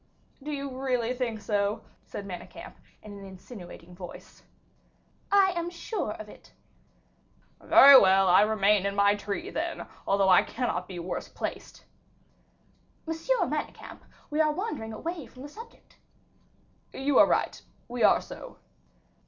"Do you really think so?" said Manicamp, in an insinuating voice. "I am sure of it." "Very well, I remain in my tree, then, although I cannot be worse placed." "Monsieur Manicamp, we are wandering away from the subject." "You are right, we are so."